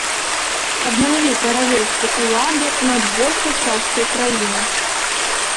Аднавіў каралеўскую ўладу над большай часткай краіны.